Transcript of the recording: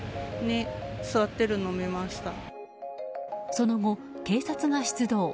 その後、警察が出動。